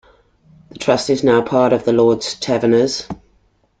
The trust is now part of the Lord's Taverners.